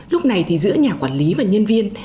lúc này thì giữa nhà quản lý và nhân viên